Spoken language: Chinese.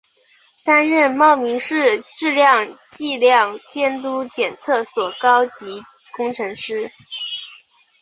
担任茂名市质量计量监督检测所高级工程师。